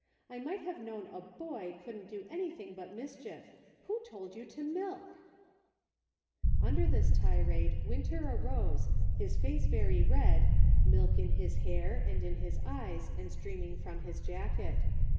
I might have known a boy couldn't do anything but mischief. Who told you to milk }" Under this tirade Winter arose, his face very red, milk in his hair, and in his eyes, and stream ing from his jacket.